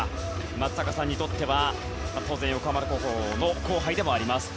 松坂さんにとっては横浜高校の後輩でもあります。